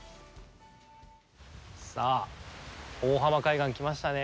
さあ、大浜海岸、来ましたね。